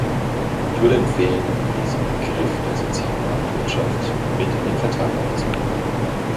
Ich würde empfehlen, diesen Begriff der sozialen Marktwirtschaft mit in den Vertrag aufzunehmen.